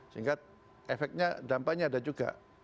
sehingga efeknya dampaknya ada juga